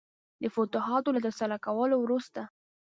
د فتوحاتو له ترلاسه کولو وروسته.